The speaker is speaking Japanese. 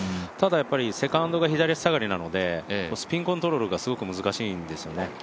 ただ、セカンドが左足下がりなのでスピンコントロールがすごく難しいんですよね。